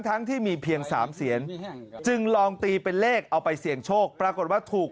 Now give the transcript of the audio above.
ทั้งที่มีเพียง๓เสียนจึงลองตีเป็นเลขเอาไปเสี่ยงโชคปรากฏว่าถูก